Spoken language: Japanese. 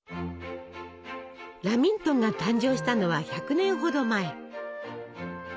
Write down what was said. ラミントンが誕生したのは１００年ほど前。